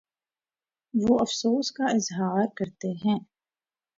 وہ افسوس کا اظہارکرتے ہیں